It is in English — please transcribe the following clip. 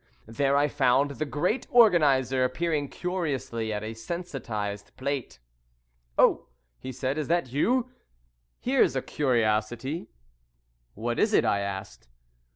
There I found the great organiser peering curiously at a sensitised plate. "Oh," he said, "is that you? Here's a curiosity." "What is it?" I asked.